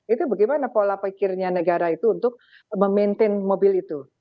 itu bagaimana pola pikirnya negara itu untuk memaintain mobil itu